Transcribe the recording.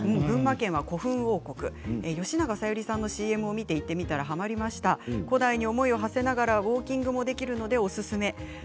群馬県は古墳王国吉永小百合さんのＣＭを見て行ってみたらハマりました古代に思いをはせながらウォーキングもできるのでおすすめ。